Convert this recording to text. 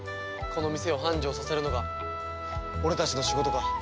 この店を繁盛させるのが俺たちの仕事か。